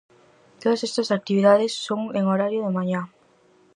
Todas estas actividades son en horario de mañá.